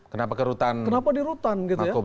kenapa di rutan